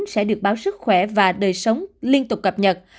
sẽ được báo sức khỏe và đời sống liên tục cập nhật